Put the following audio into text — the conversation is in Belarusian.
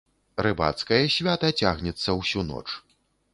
Рыбацкае свята цягнецца ўсю ноч.